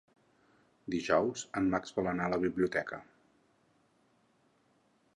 Dijous en Max vol anar a la biblioteca.